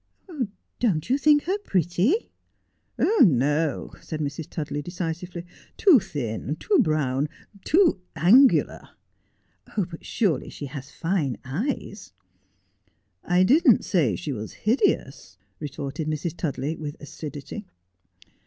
' Don't you think her pretty ?'' No,' said Mrs. Tudley decisively. ' Too thin, too brown, too angular.' ' But surely she has fine eyes 1 ' 1 1 didn't say she was hideous,' retorted Mrs. Tudley, with acidity.